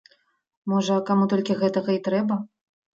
Можа, каму толькі гэтага і трэба.